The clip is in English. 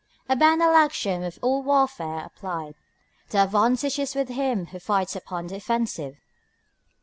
A banal axiom of all warfare applied: The advantage is with him who fights upon the offensive.